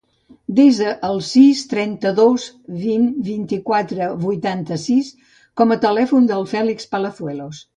Desa el sis, trenta-dos, vint, vuitanta-quatre, vuitanta-sis com a telèfon del Fèlix Palazuelos.